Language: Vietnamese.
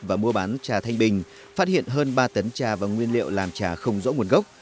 và mua bán trà thanh bình phát hiện hơn ba tấn trà và nguyên liệu làm trà không rõ nguồn gốc